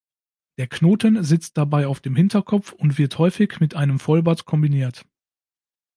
Der Knoten sitzt dabei auf dem Hinterkopf und wird häufig mit einem Vollbart kombiniert.